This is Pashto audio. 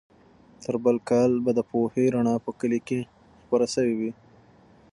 تر بل کال به د پوهې رڼا په کلي کې خپره سوې وي.